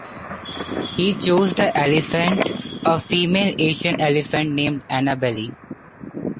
He chose the elephant, a female Asian elephant named Annabelle.